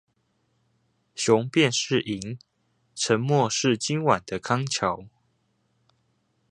雄辯是銀，沉默是今晚的康橋